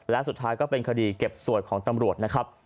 และสุดท้ายก็เป็นคดีเก็บสวยของตำรวจนะครับ